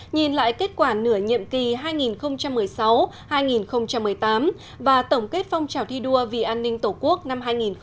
nhìn lại kết quả nửa nhiệm kỳ hai nghìn một mươi sáu hai nghìn một mươi tám và tổng kết phong trào thi đua vì an ninh tổ quốc năm hai nghìn một mươi chín